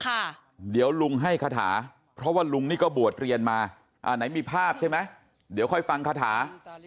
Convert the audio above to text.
ค่ะเดี๋ยวลุงให้คาถาเพราะว่าลุงนี่ก็บวชเรียนมาอ่าไหนมีภาพใช่ไหมเดี๋ยวค่อยฟังคาถา